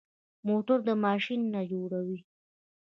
موټر د ماشین نه جوړ وي.